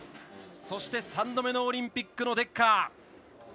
そして、３度目のオリンピックのデッカー。